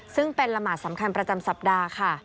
ซึ่งเป็นละหมาดสำคัญประจำสัปดาห์ค่ะ